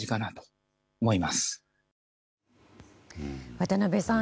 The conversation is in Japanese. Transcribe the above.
渡辺さん